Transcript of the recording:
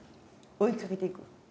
追いかけていく。